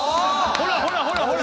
ほらほらほらほら。